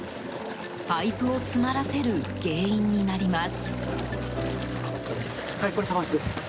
パイプを詰まらせる原因になります。